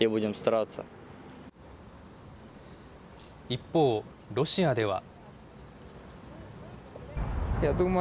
一方、ロシアでは。